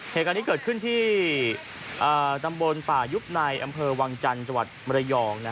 เหตุการณ์นี้เกิดขึ้นที่ตำบลป่ายุบในอำเภอวังจันทร์จังหวัดมรยอง